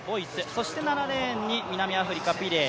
そして７レーンに南アフリカのピレイ。